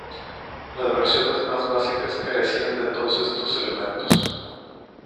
Las versiones más básicas carecían de todos estos elementos.